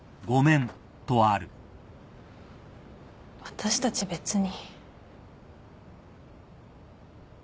私たち別に。